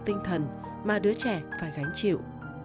tinh thần mà đứa trẻ phải gánh chịu